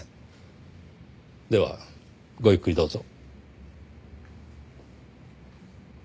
ではごゆっくりどうぞ。